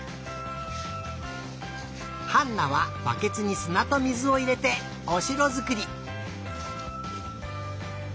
ハンナはバケツにすなと水をいれておしろづくり。